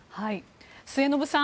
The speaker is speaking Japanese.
末延さん